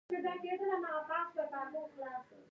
د جینۍ مړاوې سترګې مې غم اخلي.